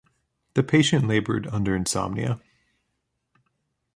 The patient labored under insomnia.